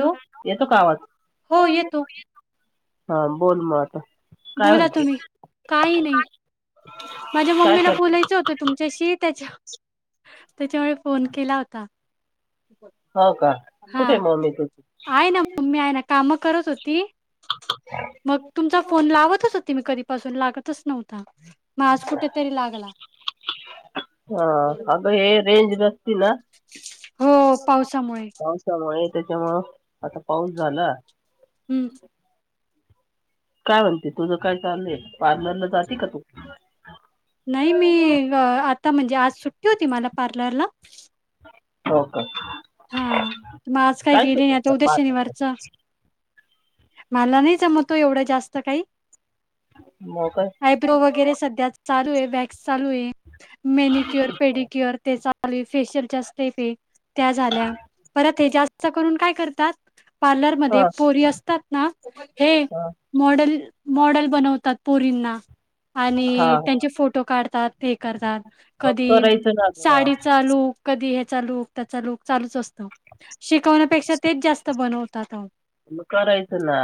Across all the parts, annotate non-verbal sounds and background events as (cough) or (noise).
Hello येतो का आवाज,, हो येतो हा बोल मग,, काय बोला म्हणते तुम्ही काही नाही माझ्या काय मम्मीला करते बोलायचं होतं तुमच्याशी त्याच्या त्याच्यामुळे फोन केला होता हो का हा कुठे आहे मम्मी तू आहे ना मम्मी आहे ना कामं करत होती मग तुमचा फोन लावतच होती मी कधीपासून लागतच नव्हता म आज कुठेतरी लागला हा अगं हे रेंज नसती ना पावसामुळे त्याच्यामुळं आता पाऊस झाला हम्म काय म्हणते तुझं काय चाललयं पार्लरला जाती का तू नाही मी आता म्हणजे आज सुट्टी होती मला पार्लरला हो का हा मग आज काही काय गेली नाही आता शिकवतात उद्या पार्लर शनिवारच मधे मला नाही जमत ओ एवढं जास्त काही मग काय आयब्रो वगैरे सध्या चालूए आय वॅक्स चालूए मेनिक्युअर पेडिक्युअर ते चालुए फेशियलच्या स्टेपए त्या झाल्या परत हे जास्त करून काय करतात पार्लरमध्ये हा पोरी अस तत ना हे हा मॉडल मॉडल बनवतात पोरींना हा आणि हा. त्यांचे फोटो काढतात ते करतात मग कधी करायचं ना गं साडीचा लूक कधी ह्याचा लूक त्याचा लूक चालूच असतो शिकवण्यापेक्षा तेच जास्त बनवतात आ मग करायचं ना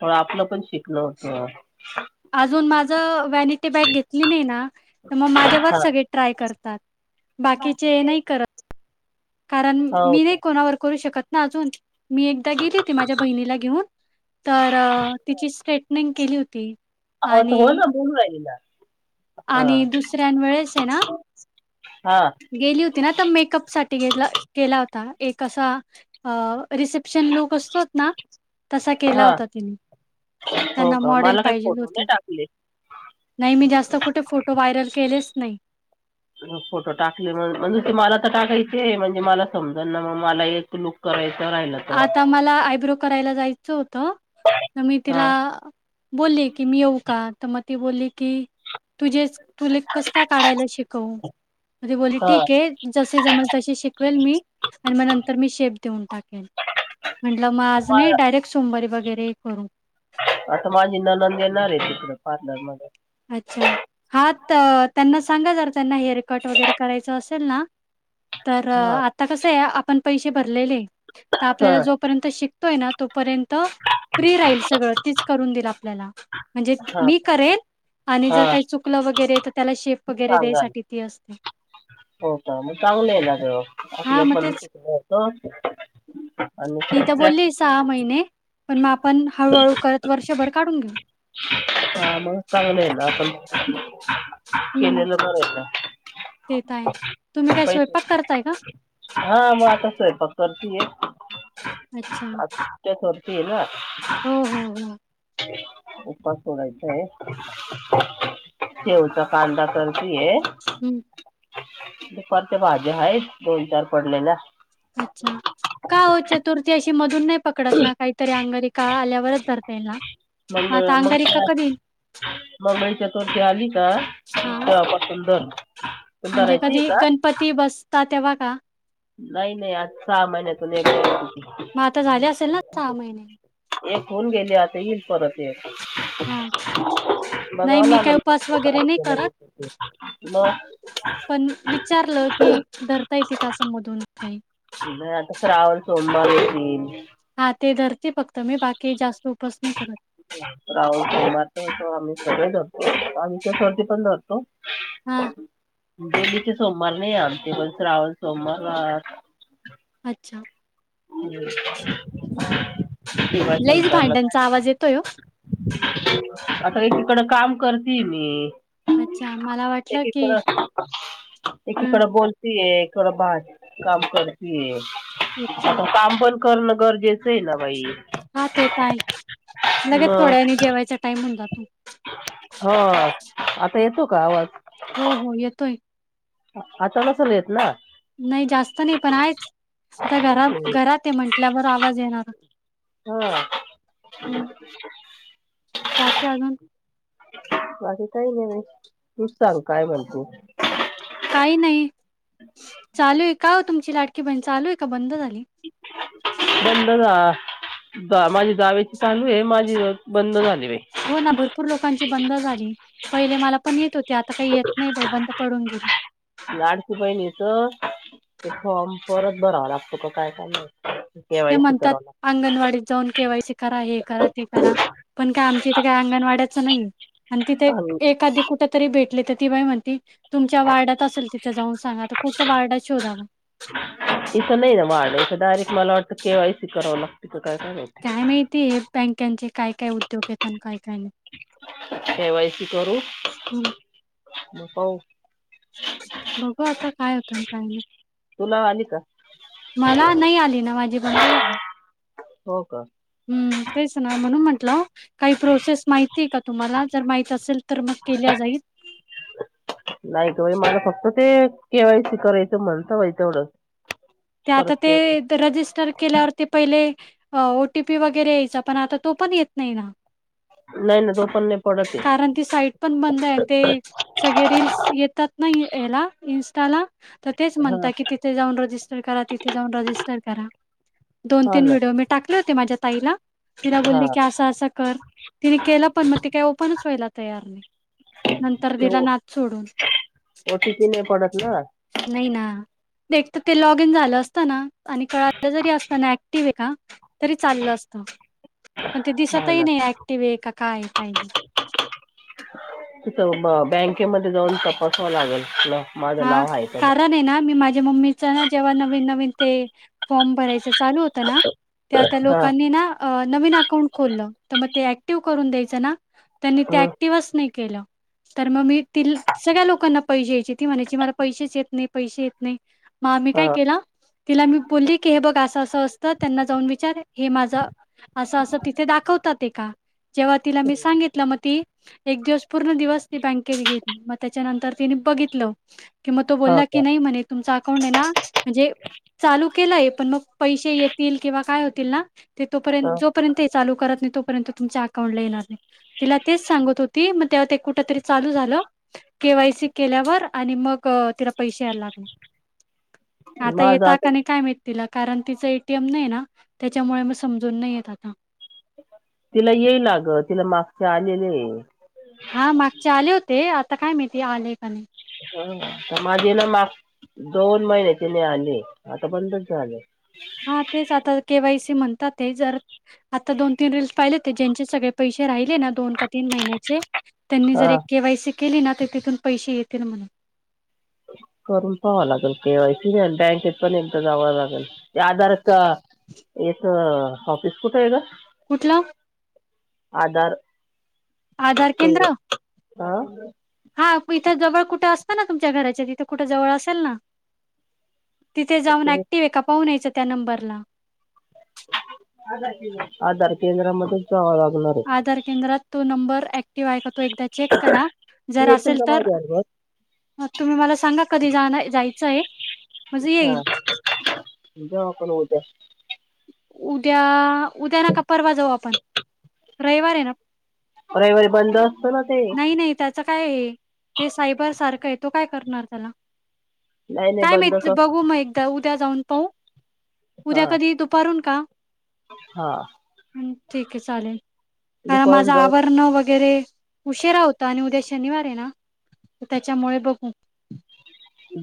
तवा आपलं पण शिकणं होतं अजून माझं व्हॅनिटी बॅग घेतली नाही ना तर मग हा माझ्यावर सगळे ट्राय करतात बाकीचे नाही करत कारण हो मी नाही का कोणावर करू शकत ना अजून मी एकदा गेली होती माझ्या बहिणीला घेऊन तर तिची स्ट्रेटनिंग केली होती हो तू बोल आणि ना बोलू राहेली ना हा आणि दुसऱ्यान वेळेस हाय ना हा गेली होती ना तर मेकअप साठी गे गेला होता एक असा अ रिसेप्शन लूक असतोत ना तसा केला हा होता तिने हो त्यांना का मॉडेल मला काही पाहिजेल फोटो होती नाही टाकले. नाही मी जास्त कुठे फोटो व्हायरल केलेच नाही फोटो टाकले म्हणजे ते मला तर टाकायचे आहे म्हणजे मला समजल ना मग मला एक लुक करायच आता मला आयब्रो करायला जायचं होतं तर मी हा. तिला बोलली की मी येऊ का तर मग ती बोलली की तुझेच तुले कसं काय काढायला शिकवू मग ती बोलली हा. ठीकेए जसे जमल तसे शिकवेल मी आणि मग नंतर मी शेप देऊन टाकेन म्हंटलं मग आज नाही मा- डायरेक्ट सोमवारी वगैरे करू आता माझी ननंद येणारेए तिकडे पार्लर मधे अच्छा हा त्यांना सांगा जरा त्यांना हेअरकट वगैरे करायचं असेल ना (inaudible) तर हा आता कसं आय आपण पैशे भरलेले हायत हा आपल्याला जोपर्यंत शिकतोय ना तो तोपर्यंत फ्री राहील सगळं तीच करून देईल आपल्याला म्हणजे हा मी करेन आणि जर हा. काही चुकलं वगैरे तर त्याला शेप ती वगैरे सांगाल द्यायसाठी ती असते हो का मग चांगलं आहे ना ग हां, आपल्या मग पण तेच. आणि ती तर प्रॅक्टिस बोलली सहा करायची महिने पण मग आपण हळूहळू करत वर्षभर काढून घेऊ हा मग चांगल आय ना आपण हं, केलेलं बरं आहे ते तर आहे. का तुम्ही काय पैसे स्वयंपाक करताय का? हा मग आता सैपाक करतीये (unintelligible) अच्छा. हो, हो, हो. उपवास सोडायचा आहे ठेचा कांदा कर तीये. हं. दुपारच्या भाज्या आहेत दोन चार पडलेल्या अच्छा! का हो चतुर्थी अशी मधून नाही पकडत ना काहीतरी अंगारकी का व आल्यावरच धरतेय ना मग आता अंगारिका का कधी? म मैची चतुर्थी आली का हां, तेव्हापासून धर पण म्हणजे धरायची कधी का गणपती बसतात तेव्हा का नाही नाही आज सहा महिन्यातून एकदा मग आता झाले असेल ना येते महिने? ती एक होऊन गेली आता येईल परत एक हां. नाही बघाव मी काही लागल उपवास वगैरे नाही कोणत्या करत, मग पण विचारलं की धरता येते का अस मधून काही नाही आता श्रावण सोमवारी ये हा ते धरते फक्त मी बाकी जास्त उपास नाही करत. (unintelligible) हम्म गेली ते सोमवार नाही आमचे पण श्रावण सोमवार रा अच्छा. हम्म ते बाई लईच संसारला काय भांड्यांचा आवाज येतोय हो. आत्ता एकीकडं काम करतीये मी अच्छा, मला वाटलं की एकीकडं हं, एकीकडं बोलतीये थोडं बाग काम करतीये आ अच्छा. काम पण करण गरजेचं आहे ना बाई हा ते तर आहेचं लगेच थोड्या वेळानी जेवायचा टाइम होऊन जातो हो आता येतो का आवाज? हो, हो, येतोय. आ आता नसल येत ना नाही जास्त नाही पण आहेचं आता घरा घरात आहे म्हंटल्यावर आवाज येणारचं हा हम बाकी आजून बाकी काही नाही तूच सांग काय म्हणते काही नाही चालू आहे का ओ तुमची लाडकी बहिण चालू आहे का बंद झाली बंद झा जा माझ्या जावेची चालू आहे माझी बंद झाली बाई हो ना भरपूर लोकांची बंद झाली. पहिले मला पण येत होते आता काही येत नाही बंद पडून गे (unintelligible) लाडकी बहिणीच ते फॉर्म परत भरावा लागतो का काय काय माहीत ते म्हणतात अंगणवाडीत जाऊन केवायसी करा. हे करा. ते करा. पण काय आमच्या इथे काही अंगणवाड्याचं नाहीये. आणि तिथे एक इथं एखादी कुठं तरी भेटली तर ती बाई म्हणती तुमच्या वार्डात असल तिथं जाऊन सांगा आता कुठं वार्ड शोधाव अगं इथं डायरेक्ट मला वाटत केवायी करावी लागते कि का काय माहिती काय माहितीये हे बँकाचे काय काय उद्योग आहेत आणि काय काय नाही केवायसी करू हं. म ब बघू आता काय होतंय आणि काय नाही. तुला आली का मला नाही आली ना माझी बंद झाली. हो का हम्म, तेच ना म्हणून म्हंट टल काही प्रोसेस माहिती आहे काय तुम्हाला जर माहित असेल तर म केल्या जाईल नाही गं बाई मला फक्त ते केवायसी करायचं म्हणता बाई तेवढं ते आता ते तर रजिस्टर केल्यावरती पहिले ओटीपी वगैरे यायचा पण आता तो पण येत नाही ना नाही नाही तो पण नाही पडत आहे कारण ती साईट पण बंद आहे आणि ते सगळे रीलस येतात नाही याला इन ला तर तेच हा म्हणतात की तिथे जाऊन रजिस्टर करा तिथे जाऊन रजिस्टर करा दोन हा तीन ना व्हिडिओ मी टाकले होते माझ्या ताईला तिला हा बोलली की असं असं कर तिने केलं पण मग ती काही ओपनच व्हायला तयार नाही नंतर ते दिला नाद सोडून ओटीपी नाही पडत ना नाही ना एकतर ते लॉग इन झालं असतं ना आणि कळालं जरी असत ना ऍक्टिव आहे का तरी चाललं असतं पण ते हा दिसतही ना नाही ऍक्टिव आहे का काय काही तिथं ब बँकेमध्ये जाऊन तपसावां लागेल ना माझं हा नाव आहे का कारण म्हणून. आहे ना मी माझ्या मम्मीच ना जेव्हा नवीन नवीन ते फॉर्म भरायचं चालू होत ना त्या त्या हा लोकांनी ना नवीन अकाउंट खोललं तर मग ते ऍक्टिव्ह करून द्यायचं ना त्यांनी ते हं, ऍक्टिव्हच नाही केलं तर मग मी ति सगळ्या लोकांना पैसे यायची म्हणाची मला पैसे येत नाही पैस येत नाही मग आम्ही हा काय केला तिला मी बोललो की असते त्यांना जाऊन विचार हे माझ असं असं तिथे दाखवतात ते का जेव्हा तिला मी सांगितलं मग ती एक दिवस पूर्ण दिवस ती बँकेत गेली मग त्याच्यानंतर तिने बघितलं कि मग तो हा बोलला की का नाही म्हणे तुमचा अकाऊंट ना म्हणजे चालू केलंय पण मग पैसे येतील किंवा काय होतील ना ते तोपर्यंत हा. जोपर्यंत करत नाही तोपर्यंत तुमच्या अकाउंट ला येणार नाही तिला तेच सांगत होती तेव्हा ते कुठ तरी चालू झालं केवायसी केल्यावर आणि मग तिला पैसे याला लागणे आता येता का नाही काय माहित तिला कारण तिच एटीएम नाही ना त्यांच्यामुळे समजून नाही येत आता तिला येई लाग तिला मागच्या आलेले हा मागचे आले होते आता काय माहिती आले का नाही ह माझे ना माग दोन महिन्याचे नाही आले आता बंदच झालं हा तेच आता के वाय सी म्हणतात ते जर आता दोन तीन रीलल्स पाहिले ते ज्यांचे सगळे पैसे राहिले ना दोन का तीन महिन्याचे त्यांनी हा जर एक केवायसी केली ना ते तिथून पैसे येतील म्हणून करून पहाव लागेल केवायसी नाही बँकेत पण जावं लागेल आधार का एक ऑफिस कुठे आहे ग कुठलं आधार आधार के केंद्र हा हा इथं जवळ कुठं असतं ना तुमच्या घराच्या तिथे कुठं जवळ असेल ना तिथे जाऊन ते ऍक्टिव आहे का पाहून यायचं त्या नंबरला आधार केंद्र मधून च आधार केंद्रात तो नंबर ऍक्टिव्ह आहे तो एकदा चेक करा तू जर येशील असेल का तर माझ्याबरोबर तुम्ही मला सांगा कधी जा जायचं आहे म्हणजे हा येईल जाऊ आपण उद्या उद्या उद्या ना का परवा जाऊ आपण रविवार आहे ना रविवारी बंद असतो ना ते नाही नाही त्याचं काय आहे ते सायबर सारखं आहे तो काय करणार त्याला नाही नाही काय माहित बंदच असतं बघू मग एकदा उद्या उद्या जाऊन पाऊ उद्या हा कधी दुपारून का हा ह ठीक आहे चालेल कारण माझे दुपारून जाऊ आवरण वगैरे उशीरा होता आणि उद्या शनिवार आहे ना त्यांच्यामुळे बघू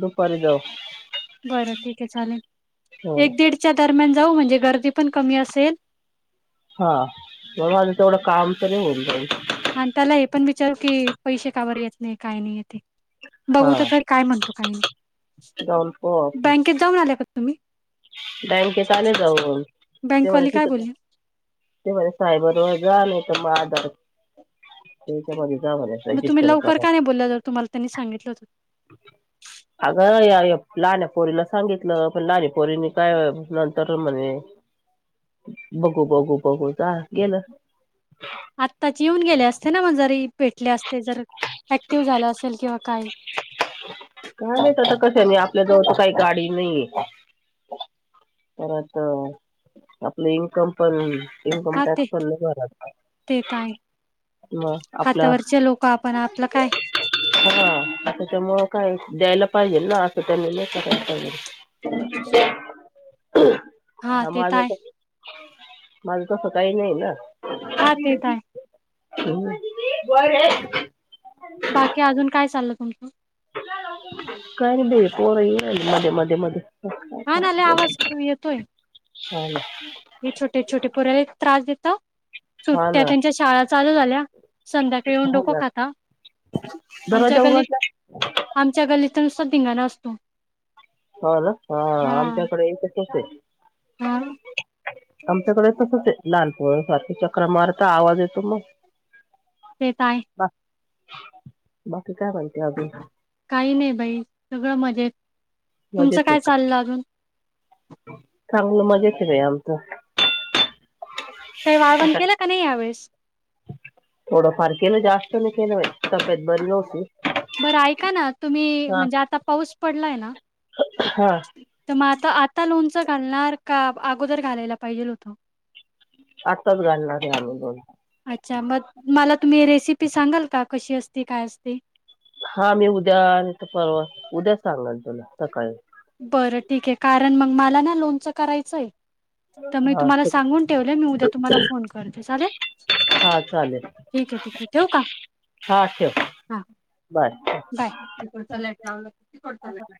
दुपारी जाऊ बरं ठीक आहे हो चालेल एक दीडच्या दरम्यान जाऊ म्हणजे गर्दी पण कमी असेल हा मग माझं तेवढं काम तरी होऊन जाईल आणि त्याला हे पण विचारू की पैसे कावर येत नाही काय नाही ते हा बघू तर खर काय म्हणतो काही नाही जाऊन पाहू आपण बँकेत जाऊन आल्या का तुम्ही बँकेत आले जाऊन ते म्ह बँकवाली काय तिथ बोलली ते म्हणे सायबर वर जा आणि (unintelligible) तेच्यामध्ये मग तुम्ही लवकर का नाही बोलला ज तुम्हाला त्यांनी सांगितलं होत अगं या या लाण्या पोरीला सांगितलं पण लाणी पोरीने काय नंतर म्हणे बघू बघू बघू जा गेलं आत्ताचे येऊन गेले असते ना मग जरी भेटले असले जर ऍक्टिव्ह झाला असेल किंवा काय काय नई परत आपलं इन्कम पण इनकम हा ते टॅक्स पण नाही भरताय ते तर आहे. हातावरचे लोक आपण आपलं काय हा आता त्यामुळं काय द्यायला पाहिजे ना असं त्यांना (unintelligible) (inaudible) हा ते त हाय माझ तसं काही नाही ना हा तेेतय (unintelligible) बाकी अजून काय चाललं तुमचं का नाही बी पोरं येल मध्ये मध्ये मध्ये हा नाले आवाज येतोय हा ना हे छोटे छोटे पुऱ्या त्रास देत हा सुट्ट्या ना त्यांच्या शाळा चालू झाल्या संध्याकाळी येऊन हा डोको ना खाता आमच्या दरवाजा गलीत उघडला आमच्या गलीत जुसता धिंगाणा असतो हो ना हा आमच्याकडे एकेत असते हा आमच्याकडे तसच आहे लहान पोर सारखी चक्रा मारता आवाज येतो मग तेेताय बा- बाकी काय म्हणते अजुन काही नाही बाई सगळं मजेत. तुमचं काय चाललं अजून चांगलं मजेशीर हाय आमच काही वाळवण केलं का नाही यावेेळेस थोडं फार केलं जास्त न केलं तब्येत बरी नव्हती बरं ऐका ना तुम्ही हा म्हणजे आता पाऊस पडलाय ना हा तर मग आता आता लोनच घालणार का अगोदर घालायला पाहिजेल होत आत्ताच घालणार आहे आम्ही दोन अच्छा मग मला तुम्ही रेसिपी सांगाल का कशी असती काय असती हा मी उद्या नाही तर परवा उद्या सांगाल तुला सकाळी बरं ठीक आहे कारण मग मला ना लोनचं करायचंय तर मी हा तुम्हाला ठीक आहे. सांगून ठेवले मी उद्या तुम्हाला फोन करते चालेल हा चालेल ठीक आहे ठीक आहे ठेवू का हा ठेव हा बाय (unintelligible)